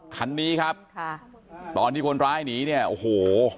คันนี้ครับค่ะตอนที่คนร้ายหนีเนี่ยโอ้โห